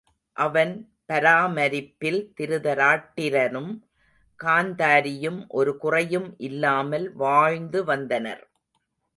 அவன் பரா மரிப்பில் திருதராட்டிரனும் காந்தாரியும் ஒரு குறையும் இல்லாமல் வாழ்ந்து வந்தனர்.